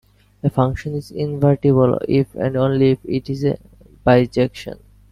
A function is invertible if and only if it is a bijection.